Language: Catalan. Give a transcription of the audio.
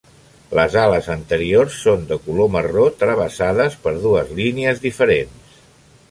Les ales anteriors són de color marró, travessades per dues línies diferents.